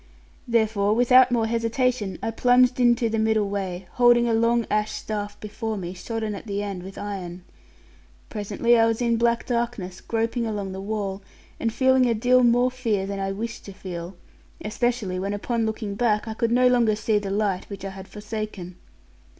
Therefore, without more hesitation, I plunged into the middle way, holding a long ash staff before me, shodden at the end with iron. Presently I was in black darkness groping along the wall, and feeling a deal more fear than I wished to feel; especially when upon looking back I could no longer see the light, which I had forsaken.